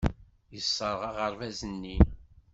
Yesserɣ aɣerbaz-nni.